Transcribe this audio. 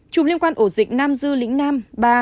chụp liên quan ổ dịch nam dư lĩnh nam ba